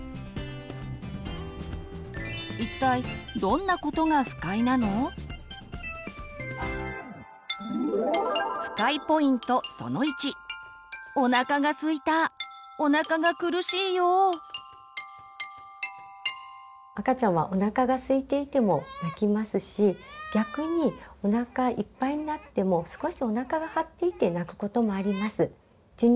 一体赤ちゃんはおなかがすいていても泣きますし逆におなかいっぱいになっても少しおなかが張っていて泣くこともあります。